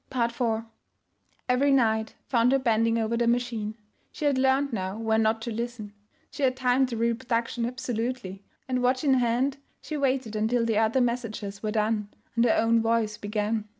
IV Every night found her bending over the machine. She had learned now when not to listen. She had timed the reproduction absolutely, and watch in hand she waited until the other messages were done, and her own voice began.